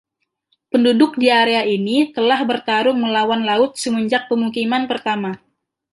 Penduduk di area ini telah bertarung melawan laut semenjak pemukiman pertama.